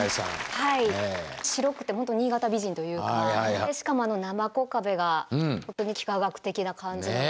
白くてほんと新潟美人というかしかもあのなまこ壁が本当に幾何学的な感じ。